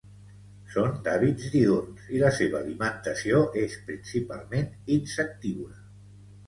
Són d'hàbits diürns i la seva alimentació és principalment insectívora.